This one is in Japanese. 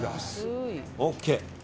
ＯＫ！